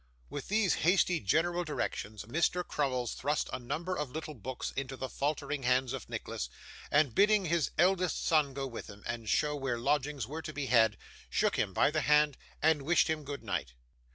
With these hasty general directions Mr. Crummles thrust a number of little books into the faltering hands of Nicholas, and bidding his eldest son go with him and show where lodgings were to be had, shook him by the hand, and wished him good night.